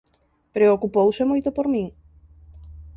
Preocupouse moito por min?